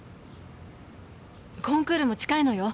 コンクールも近いのよ。